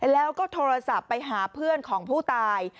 แล้วก็โทรศัพท์ไปหาเพื่อนของผู้ตาย